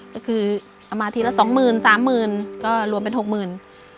ก็คือเอามาทีละสองหมื่นสามหมื่นก็รวมเป็นหกหมื่น